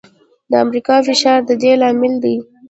د امریکا فشار د دې لامل دی.